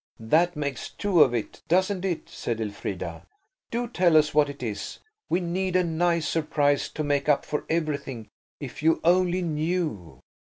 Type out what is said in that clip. That makes two of it, doesn't it?" said Elfrida. "Do tell us what it is. We need a nice surprise to make up for everything, if you only knew."